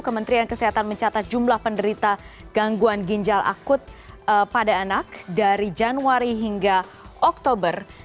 kementerian kesehatan mencatat jumlah penderita gangguan ginjal akut pada anak dari januari hingga oktober